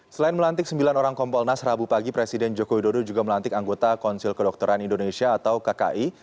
selain melantik sembilan orang kompolnas rabu pagi presiden joko widodo juga melantik anggota konsil kedokteran indonesia atau kki